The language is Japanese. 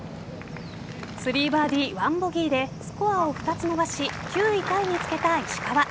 ３バーディー１ボギーでスコアを２つ伸ばし９位タイにつけた石川。